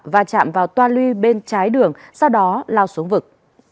và chạm vào toa luy bên trái đường sau đó lao xuống vực